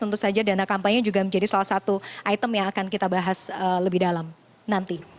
tentu saja dana kampanye juga menjadi salah satu item yang akan kita bahas lebih dalam nanti